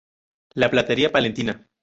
La platería palentina".